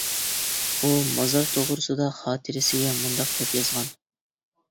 ئۇ مازار توغرىسىدا خاتىرىسىگە مۇنداق دەپ يازغان.